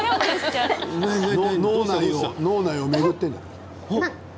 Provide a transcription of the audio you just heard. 脳内を巡っているんじゃない？